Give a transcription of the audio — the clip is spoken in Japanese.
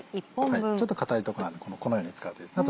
ちょっと硬いとこがあるのでこのように使うといいですね。